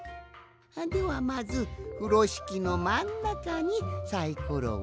ではまずふろしきのまんなかにサイコロをおいて。